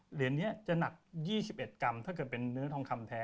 เหรียญนี้จะหนัก๒๑กรัมถ้าเกิดเป็นเนื้อทองคำแท้